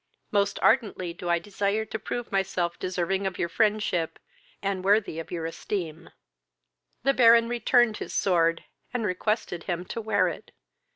Most ardently do I desire to prove myself deserving of your friendship, and worthy of your esteem." The Baron returned his sword, and requested him to wear it.